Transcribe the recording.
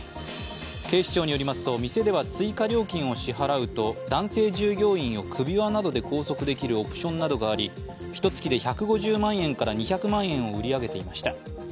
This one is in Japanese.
警視庁によりますと店では追加料金を支払うと男性従業員を首輪などで拘束できるオプションなどがありひとつきで１５０万円から２００万円を売り上げていました。